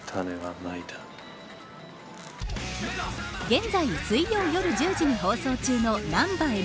現在、水曜夜１０時に放送中のナンバ